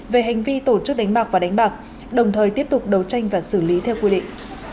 về hành vi tổ chức đánh bạc và đánh bạc đồng thời tiếp tục đấu tranh và xử lý theo quy định